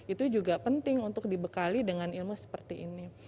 itu juga penting untuk dibekali dengan ilmu seperti ini